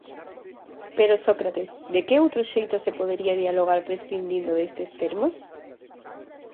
Pero Sócrates, de que outro xeito se podería dialogar prescindindo destes termos?